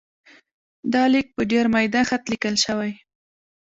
دا لیک په ډېر میده خط لیکل شوی.